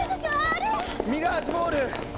ミラージュボール！